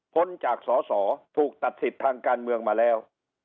พ้นจากสอสอถูกตัดสิทธิ์ทางการเมืองมาแล้ว